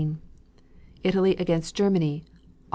Italy against Germany, Aug.